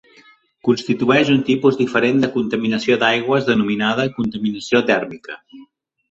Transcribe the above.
Constitueix un tipus diferent de contaminació d'aigües denominada contaminació tèrmica.